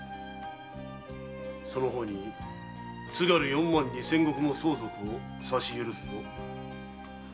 その方に津軽四万二千石の相続をさし許すぞ。